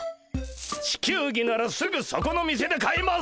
地球儀ならすぐそこの店で買えます！